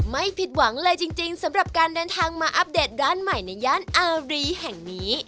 ไม่ผิดหวังเลยจริงสำหรับการเดินทางมาอัปเดตร้านใหม่ในย่านอารีแห่งนี้